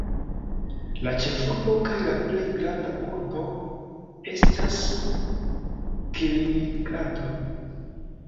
La ĉefurbo kaj la plej granda urbo estas Kaliningrado.